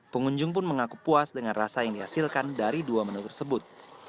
pengunjung pun mengaku puas dengan rasa yang dihasilkan dari dua menu tersebut